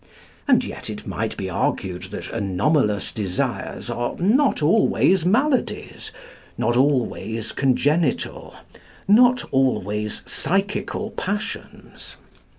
And yet it might be argued that anomalous desires are not always maladies, not always congenital, not always psychical passions.